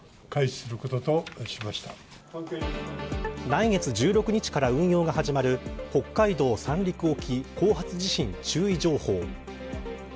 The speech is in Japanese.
来月１６日から運用が始まる北海道・三陸沖後発地震注意情報。